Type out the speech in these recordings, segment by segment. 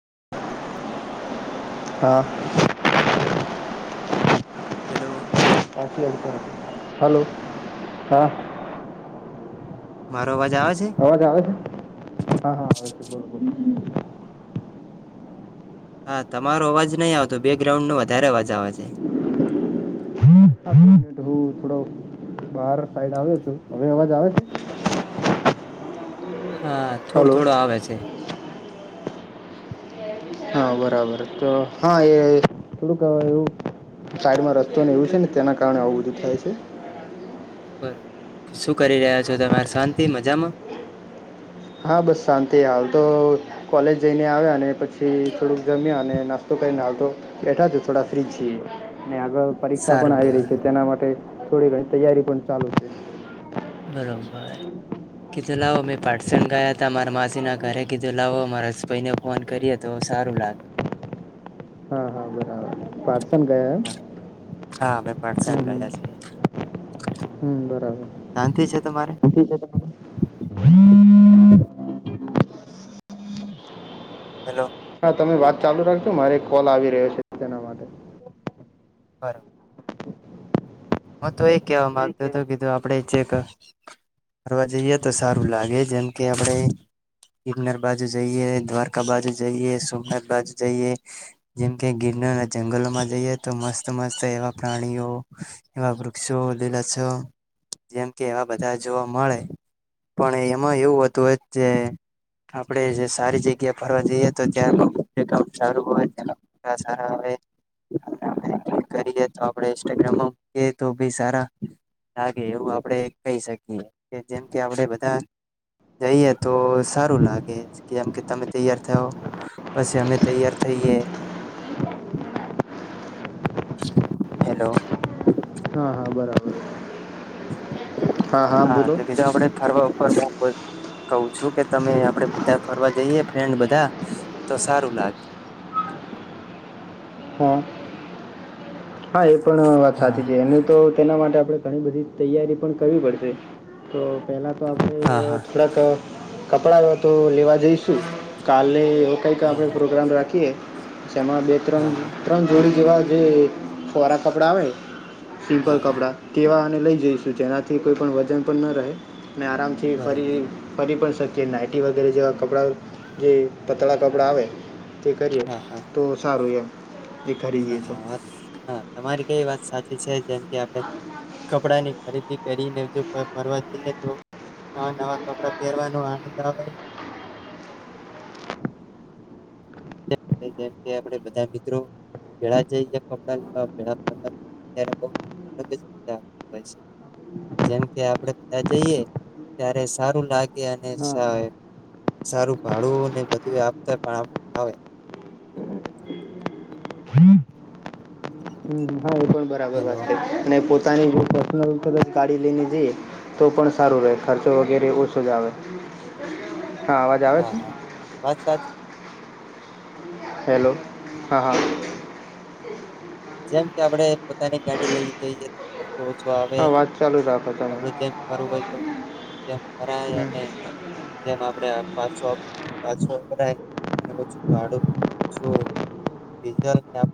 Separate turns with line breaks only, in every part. [unintelligible]
હા
હેલો
સા હેલો હા
મારો અવાજ આવે છે?
અવાજ આવે છે હા હા આવે છે બ
હા તમારો અવાજ નહીં આવતો બે ગ્રાઉન્ડ નો વધારે અવાજ આવે છે
[unintelligible] બાર સાઈડ આવે્યો છું હવે અવાજ આવે છે
હા થોડું
હલો
થોડું આવે છે
હા બરાબર તો હા એ થોડુક અવે એવું સાઈડમાં રસ્તોને એવું છે ને તેના કારણે આવું બધું થાય છે
બરોબર શું કરી રહ્યા છો તમે આજે શાંતિ મજામાં
હા બસ શાંતિ હાલ તો કોલેજ જઈને આવ્યા અને પછી થોડુંક જમ્યા અને નાસ્તો તો બેઠા છ થોડા ફ્રી જ છીએ અને આગળ પરીક્ષા પણ
સારું
આવી રહી
કેવાય
છે તેના માટે થોડી ઘણી તૈયારી પણ ચાલુ છે
બરોબર કે કીધ લાવ મેં પ પાટ્સણ ગયા હતા મારા માસીના ઘરે કીધો લાવો મારા હસબાઈને ફોન કરીએ તો સારું લાગે [inaudible]
હા હા પાટસન
હા અમે પાટસણ
ગયા
છીએ
એ હમ
શાંતિ છે તમારે?
હ [unintelligible]
[unintelligible] હેલો
હા તમે વાત ચાલુ રાખજો મારે એક કોલ આવી રહ્યો છે તેના માટે
બરાબર હ તો એ કેવા
નહીં
મામાંગતો હતો
કહેવા પડે
કીધું આપડે છે ફરવા જઈએ તો સારું લાગે જેમ કે આપણે કિનર બાજુ જઈએ દ્વારકા બાજુ જઈએ સોમનાથ બાજુ જઈએ જેમ કે ગિર અને જંગલોમાં જઈએ તો મસ્ત મસ્ત એવા પ્રાણીઓ એવા વૃક્ષો લીલસો જેમ કે એવા બધા જોવા મળે પણ એમાં એવું હતું હો જે આપણે જે સારી જગ્યા ફરવા જઈએ તો ત્યાં કામ સારું હોય ત સારા આવે [unintelligible] લાગે એવું આપડે કહી શકીએ કે જેમ કે આપડે બધા જઈએ તો સારું લાગે કેમ કે તમે તૈયાર થયો પછી અમે તૈયાર થ થઈએ હેલો
હા હા બરાબર
હા તો કીજ આપણે ફરવા ફરવા કહું છું કે તમે આપડે બધા ફરવા જઈએ ફ્રેન્ડ બધા તો સારું લાગે [unintelligible]
હા હા એ પણ વાત
હા
સાચી છે એની તો તેના માટે આપડે ઘણી બધી તૈયારી પણ કરવી પડશે તો પહેલાં તો
હા
આપણે
હા
થોડાક કપડાં તો લેવા જઈશું કાલે એવો કંઈક
હા
આપણે
હા
પ્રોગ્રામ રાખીએ જેમાં બે ત્રણ
હા હા
ત્રણ જોડી જેવા જે ફોરા કપડાં આવે સિમ્પલ
હા હા
કપડાં તેવાને લઈ જઈશું જેનાથી કોઈ પણ વજન પણ ન રહે મેં આરામથી
બરોબર
ફરી ફરી પણ તો કે નાઇટી વગેરે જેવા કપડાં જે પતળા કપડાં આવે તે કરીએ
હા હા
તો સારું એમ એ
હા
ખરીદીએ તો
હા વાત હા તમારી કેવી વાત સાચી છે જેમ કે આપણે કપડા ની ખરીદી કરીને જો ફરવા જઈએ તો નવા નવા કપડા પહેરવાનો આનંદ આવે [inaudible] જેમ કે આપણે બધા મિત્રો ભેળા જઈએ ત્યાં કપડા લેવા [unintelligible] ત્યારે બહુ બધુ કામ હોય છે જેમ કે આપડે બધા જઈએ ત્યારે સારું લાગે અને સ
હા હમ,
સારું ભાડું ને બધું આપતા પણ આવે
હા એ પણ બરાબર
હેલો
વાત કરી અને પોતાની પર્સનલ તરત ગાડી લઈ લીધી તો પણ સારું રહે ખર્ચો વગેરે ઓછો જ આવે હા અવાજ આવે
હા
છે
હા વાત સાચી
હેલો હા હા
જેમ કે આપણેે પોતાની ગાડી લઈ જઈએ તો ખર્ચો ઓછો આવે
હા વાત ચાલુ રાખો
આપડું
તમે
જેમ કરરવું હોય તો જેમ ખરા અને
હમ
જેમ આપડે આ પાછો પાછો ભરાય અને ઓછું ભાડુંમાં જો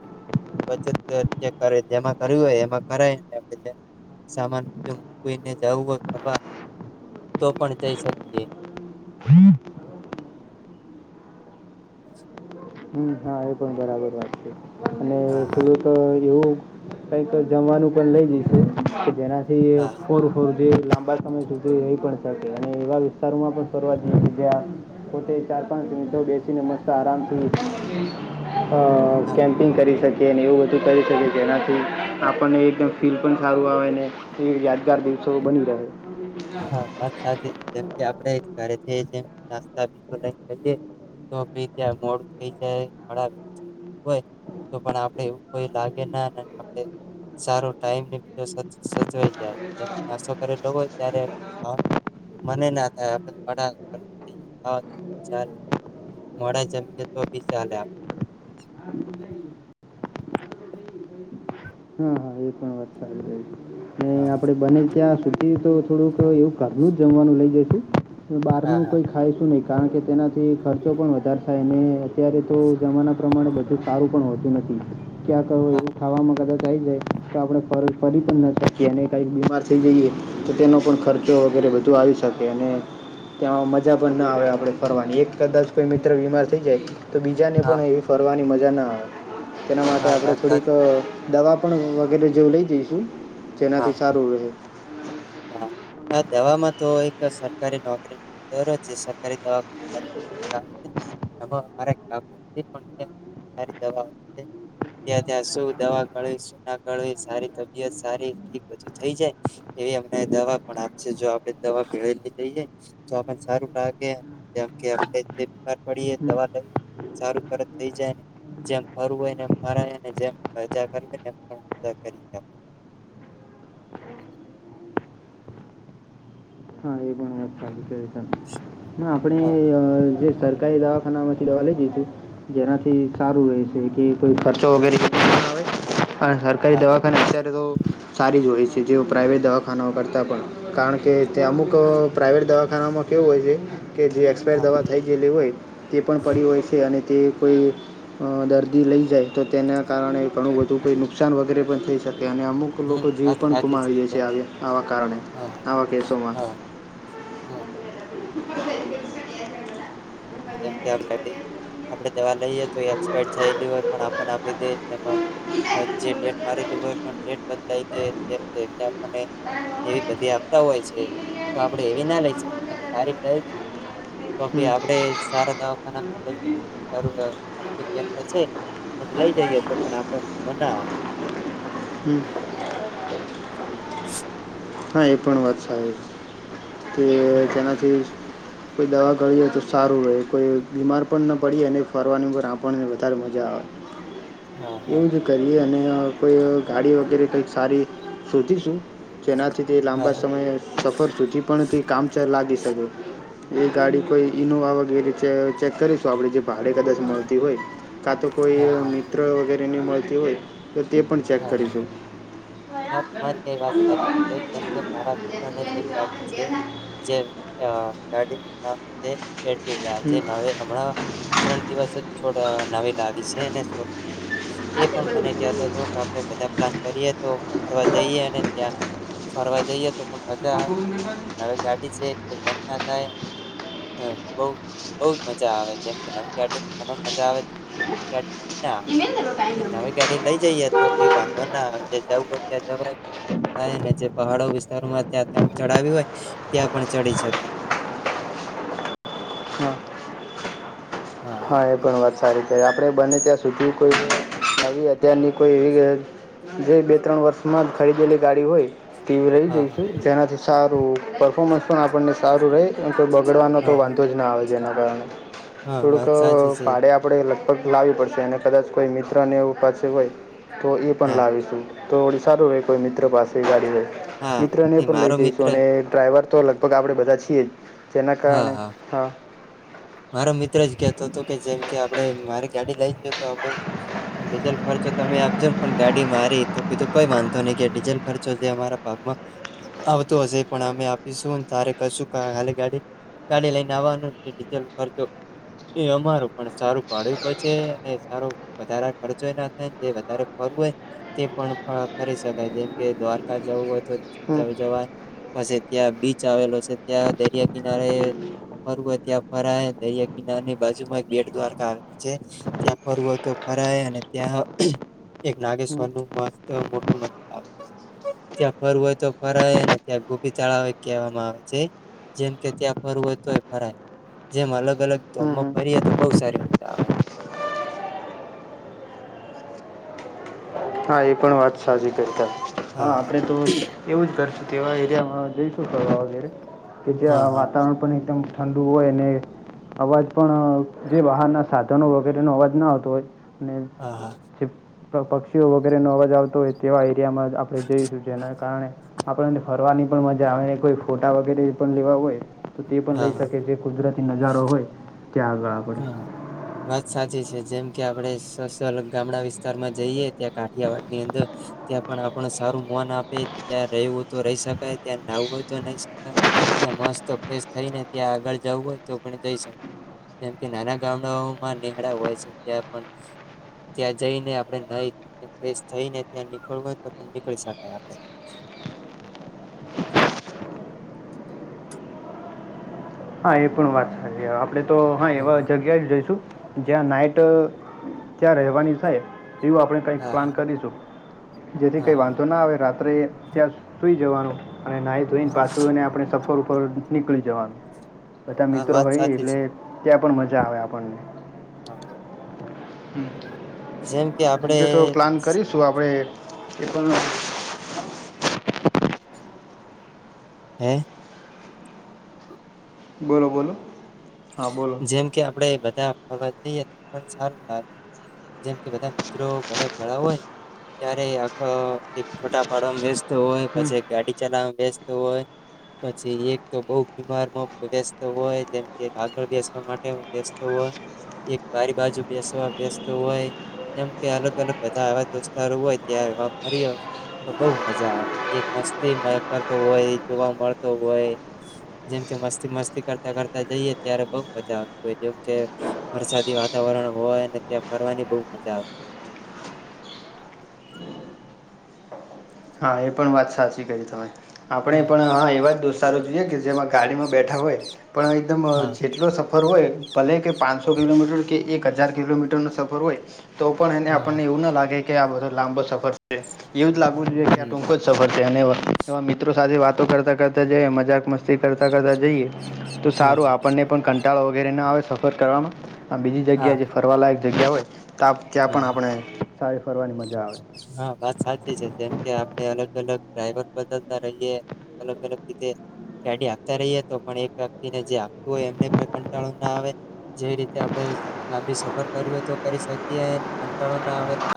[unintelligible] પછે તે તે કરે જેમાં કર્યું હોય એમાં કરાયને સામાન ત કોઈને જાવું હો ફરવા તો પણ જઈ શકીએ
હમ એ પણ બરાબર વાત છે અને
હા હા
થેડુંક એવું કઈક તો જમવાનું પણ લઈ લીધુ કે જેના થી એ
હા
ફોર ફોર તે લાંબા સમય સુધી રહી પણ શકે અને એવા વિસ્તારોમાં પણ ફરવા જ જ જ્યા પોતે ચ ચાર પાંચ મિનિટો બેસીને મસ્ત આરામ થઈ અ
હા
કેમ્પિંગ કરી શકે કેને એવું બધું કરી શકે જેનાથી આપણને એકદમ ફીલ પણ સારું આવે ને યાદગાર દિવ દીવસો બધાય
હા વાત સાચી છે જેમ કે આપડે ઘરે જેમ નાસ્તા બીજો લએ તો ભી ત્યાં મોઠ થઈ જાય અરાર હોય તો પણ આપડે એવું કોઈ લાગે ના આપે સારો ટાઈમ ને બીજો સજવાઈ જાય નાશો કરેલો હોય ત્યારે મન મને ના થાય હા ચાલ મોડાઈ જમીને તો બી ચાલે આવે
હા
હા
આપડે બને ત્યાં સુધી તો થોડુંક એવું ઘલું જ જમવાનું લઇ જઈશું બહાર
હા
નું
હા
કોઈ ખાય શું નહી કારણ કે તેનાથી ખર્ચો પણ વધારે થાય અને અત્યારે તો જમાના પ્રમાણે બધું સારું પણ હોતું નથી ક્યાં કહો
હા
એવું ખાવામાં કદાચ થાય જાય તો આપણે ફર ફરી પણ ના શકીએ અને કાંઈ બીમાર થઈ જઈએ તો તેનો પણ ખર્ચો વગેરે બધું આવી શકે અને ત્યાં મજા પણ ના આવે આપડે ફરવાની એક કદાચ કોઈ મિત્ર બીમાર થઈ જાય તો બીજાને
હા
પણ એવી ફરવાની મજા ના આવે તેના માટે
હા
આપણે
વાત
થોડીક
સાચી
દવા પણ વગેરે જેવું લઈ જઈશું
હા
જેનાથી સારું રહે
હા હ દવામાં તો એક સરકારી નોકરી દરોજ સરકારી દવા [unintelligible] ત્યાં ત્યાં શું દવા ગવી શું ના સારી તબિયત સારી બધ થઈ જાય એવી દવા પણ આપશે જો આપે દવા પળલી જઈએ તો આપને સારું લાગે કેમકે આપીમા પડીએ દવા લઈએ સારું તરત થઈ જાય ને જેમ ફરવું હોયને એમ ફરાયને જેમ રજા કરવી ને એજા કરી [unintelligible]
હા એ પણ આપણે
હા
કઈ દવાખાનામાંથી દવા લઈ જશું જેનાથી સારું રહે છે કે કોઈ ખર્ચો વગેરે આવે હ સરકારી
હા
દવાખાને અત્યારે તો સારી જો હોય છે કે જેઓ પ્રાઇવેટ દવાખાનાઓ કરતાં પણ કારણ કે તે અમુક પ્રાઇવેટ દવાખાનામાં કેવું હોય છે કે જે એક્સપાયર
હા
દવા થઈ ગયેલી હોય તે પણ પડી હોય છે અને તે કોઈ દર્દી લઈ જાય તો તેના કારણે ઘણું બધું કોઈ નુકસાન વગેરે પણ થઈ શકે અને અમુક
હમ
લોકો જીવ
વાત
પણ
સાચી
ગુમાવી દે છે આવા કારણે
હા
આવા કેસોમાં
હા હા
[unintelligible]
જેમ કે આપડે દવા લઈએ એક્સપાયડ થયલી હોય પણ આપ આપી દે જે ડેટ મારેલી હોયેટ લઈ એ બધી આપતા હોય છે તો આપડે એવી ના લઈ શકીએ સારી લ તો ભી
હમ
આપડે રોગ્ય કેન્દ્ર છે હ લઈ જઈએ તો પણ આપડ વાંધો ના
હમ હા એ પણ વાત સારી છે કે
આવે
તેનાથી કોઈ દવા ગળ હોય તો સારું રહે કોઈ બીમાર પણ ન પડી અને ફરવાની ઉપર આપણને વધારે મજા આવે
હા હા
એવું જ કરીએ અને કોઈ ગાડી વગેરે કઈક સારી શોધીશું જેનાથી તે
હા
લાંબા
હા
સમયે સફર થથી પણ તે કામચ લાગી શકે એ ગાડી કોઈ ઈનોવા વગેરે છે ચેક કરીશું આપણેે જે ભાડે કદાચ મળતી હોય કા તો
હા હા
કોઈ
હા
મિત્ર વગેરે ની મળતી હોય તે પણ ચેક
હા હા
કરીશું
રા મિત્રડી છે જે ગાડીમ છે એઠીકજે
હમ.
હવે હમણાં ત્રણ દિવસ જ છોડ નવી લાવી છે એ પણ મને કતો હતો આપડે બધા પ્લાન કરીએ તો ફરવા જઈએ અને ત્યાં ફરવા જઈએ ા હવે ગાડી છે કે બંધ થ બ બ જ મજા આવે જેમ કે નવી ગ ફ મજા આવે ના એ નવી ગાડી લઈ જઈ હતી બી વાંધો ના જે જવું હોય ત્યાં જ થાય ને જે પહાડો વિસ્તારોમાં ત્યાં ચડાવી હોય ત્યાં પણ ચડી શકે [unintelligible]
હમ હા એ પણ વાત સારી છે આપણે બને ત્યાં સુચવું કોઈ હ અત્યારની કોઈ એવી જે બે ત્રણ વર્ષમાં જ ખરીદેલી ગાડી હોય ટીવી રહી
હા
જઈશું જેનાથી સારું પરફોર્મન્સ પણ આપણને સારું રહે તો બગડવાનો તો
હા હા
વાંધો જ ના આવે જેના કારણે
હા
થોડુંક
વાત સાચી છે
ભાડે આપણે લગભગ લાવવી પડશે અને કદાચ કોઈ મિત્રને એવું પાસે હોય તો એ પણ
હા
લાવીશું તો ઓડ સારું ર કોઈ મિત્ર પાસે ગાડી હોય
હા
મિત્ર ને
એ
પણ લઈ
મારો
જઈશું
મિત્ર
અને ડ્રાઈવર તો લગભગ આપણેે બધા છીએ જ જેના કારણે હા
મારો મિત્ર જ કેતો હતો કે જેમ કે આપડ મારી ગાડી લઈ જએ તો આપડું ડીઝલ ખર્ચ જો તમે આપજો ને પણ ગાડી મારી તો પીધું કોઈ માનંધતો નહી કે ડીઝલ ખર્ચો જે અમારા ભાગમાં આવતું હશે પણ અમે આપીશું તારે કશું ખાલી ગાડી ગાડી લઈને આવવા નું [unintelligible] ખર્ચો એ અમારું પણ સારું ભાડું બચે અને સારો વધારે ખર્ચો ના થાય વધારે ખ [inaudible] તે પણ ફરી શકાય જેમ કે દ્વારકા જવું હોય તો
હમ
જવાય પસી ત્યાં બીચ આવેલો છે ત્યાં દરિયા કિનારે ફરવુ ત્યાં ફરાય દરિયા કિનારાની બાજુ માં [unintelligible] ગેટ દ્વારકા આવેલ છે ત્યાં ફરવુ હોય તો ફરાય અને ત્યાં એક
હમ
નાગેશ્વર નું મસ્ત મોટું મંદિર આવે ત્યાં ફરવું હોય તો ફરવે ને ત્યાં ગોપી ચાળ કહેવામાં આવે છે જેમ કે ત્યાં ફરવું હોય તોય ફરાય જેમ અલગ અલગ
હમ હમ
[unintelligible] બો સારી મજા આવે [inaudible]
હા એ પણ વાત સાચી [unintelligible] હા આપડે તો એવું જ કરશું તેવા એરિયામાં જઈશું કરવા વગેરે કે
હા
જ્યાં
હા
વાતાવરણ પણ એકદમ ઠંડુ હોય ને અવાજ પણ જે બહારના સાધનો વગેરેનો અવાજ ન આવતો હોય ને
હા હા
જે પક્ષ પક્ષીઓ વગેરે નો અવાજ આવતો હોય તેવા એરિયામાં આપણે જઈશું એના કારણે આપણને ફરવાની પણ મજા આવીને કોઈ ફોટા વગેરે પણ લેવા હોય તો તે પણ
હા
લઈ
હા
શકે છે કુદરતી નજારો હોય ત્યાં આગળ આપણે
હા વાત સાચી છે જેમ કે આપણે [unintelligible] ગામડા વિસ્તારમાં જઈએ ત્યાં કાઠિયાવાડ ની અંદર ત્યાં પણ આપણુ સારું આપે ત્યા રેવુ હોય તો રઈ સકાય ત્યા નાવુ હોય તો નહીક ત્યા મસ્ત ફેશ થઈ ત્યાં આગળ જવું હોય તો પણ જઈ શ જેમ કે નાના ગામડાઓમાં નેહળા હોય છે ત્યાં પણ ત્યાં જઈને આપણે નાઈ ફેશ થઈને ત્યાં નીકળવુ હોય તો પણ નીકળી શકાય આપણે [inaudible]
હા એ પણ વાત સાચી આપણેે તો હા એવા જગ્યા જ જઈશું જ્યાં નાઈટ ત્યાં રહેવાની થાય એવું આપણે કઈક
હા
પ્લાન કરીશું જેથી કઈ
હા
વાંધો ના આવે રાત્રે ત્યાં સુઈ જવાનું અને નાઈ ધોઈને
હા
પાછું એને આપણે સફર ઉપર નીકળી જવાનું બધા
હા
મિત્રો
વાત
હોય
સાચી
એટલે
છે
ત્યાં પણ મજા આવે આપણને
હા જેમ કે આપડે
બીજો તો પ્લાન કરીશું આપડે તે પણ
હે
બોલો બોલો હા બોલો
જેમ કે આપડે બધા ફરવા જઈએ તો પણ સારું લાગે જેમ કે બધા મિત્રો બધા [unintelligible] હોય ત્યારે [unintelligible] એક ફોટા પાડવા મા વ્યસ્થ તો હોય
હમ
પછી એક ગાડી ચલાવવા વ્યસ્થ હોય પછી એક તો બો બીમારમાં વ્યસ્ત હોય જેમ એક આગળ બેસવા માટે બેસતો હોય એક બારી બાજુ બેસવા વ્યસ્થ હોય કેમ કે અલગ અલગ બધા એવા દોસ્તારો હોય ત્યાં એવા [unintelligible] તો બોઉ મજા આવે એક મસ્તી કરતો હોય જોવા મળતો હોય જેમ કે મસ્તી મસ્તી કરતા કર તા જઈએ ત્યારે બોઉ મજા આવતી હોય જેમ કે વરસાદી વાતાવરણ હોયને ત્યાં ફરવાની બો [unintelligible]
હા એ પણ વાત સાચી કહીં તમે આપણે પણ હા એવા જ દોસ્તારો જોઈએ કે જેમાં ગાડીમાં બેઠા હોય પણ એકદમ
હા
જેટલો સફર હોય ભલે કે પાંચસો કિલોમીટર કે એક હજાર કિલોમીટરનો સફર હોય તો પણ એને
હા
આપણને એવું ના લાગે કે આ બધો લાંબો સફર છે એવું જ લાગવું જોઈએ કે
હમ
ટૂંકો સફર છે અને એવા મિત્રો સાથે વાતો કરતા કરતા જઈએ મજાક મસ્તી કરતા કરતા જઈએ તો
હા
સારું આપણને પણ કંટાળો વગેરે ના આવે સફર કરવામાં આ બીજી
હા
જગ્યાએ જે ફરવા લાગ જગ્યા હોય ત ત્યાં પણ
હા
આપણે સારી ફરવાની મજા આવે
હા વાત સાચી છે જેમ કે આપ અને અલગ અલગ ડ્રાઈવર બદલતા રહીએ અલગ અલગ રીતે ગાડી આપતા રહી તો પણ એક વ્યક્તિને જે આપતું હોય એમને પણ કંટાળો ના આવે જે રીતે આપડે લાંબી સફર કરી હો તો કરી શકીએ કંટાળો ના આવે